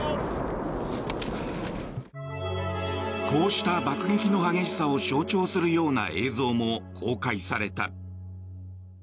こうした爆撃の激しさを象徴するような映像も公開された。